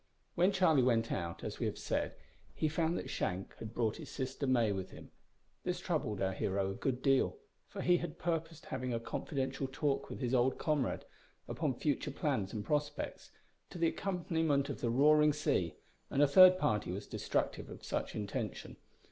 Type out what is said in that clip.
When Charlie went out, as we have said, he found that Shank had brought his sister May with him. This troubled our hero a good deal, for he had purposed having a confidential talk with his old comrade upon future plans and prospects, to the accompaniment of the roaring sea, and a third party was destructive of such intention.